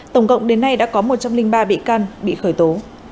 tổng cộng đến nay đã có một trăm linh ba bị can bị khởi tố